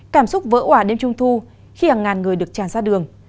cảm xúc vỡ hỏa đêm trung thu khi hàng ngàn người được tràn ra đường